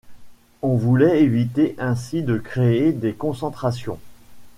On voulait éviter ainsi de créer des concentrations.